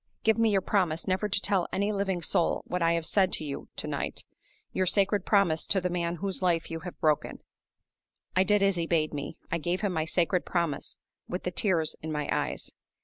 Give me your promise never to tell any living soul what I have said to you to night your sacred promise to the man whose life you have broken!' I did as he bade me; I gave him my sacred promise with the tears in my eyes.